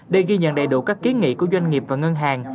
để ghi nhận đầy đủ các kiến nghị của doanh nghiệp và ngân hàng